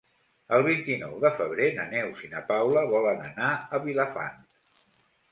El vint-i-nou de febrer na Neus i na Paula volen anar a Vilafant.